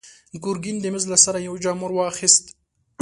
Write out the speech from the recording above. ګرګين د مېز له سره يو جام ور واخيست.